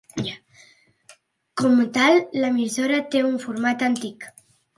Com a tal, l'emissora té un format antic.